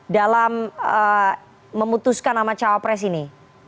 dalam memutuskan nama cawapres ini